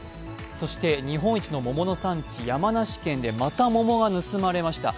そして日本一の桃の産地、山梨県でまた桃が盗まれました。